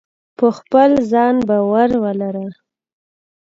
خپل په ځان باور ولره.